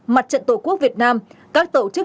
mặt trận tổ quốc việt nam các tổ chức